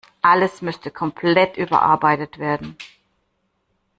Alles müsste komplett überarbeitet werden.